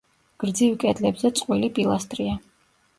გრძივ კედლებზე წყვილი პილასტრია.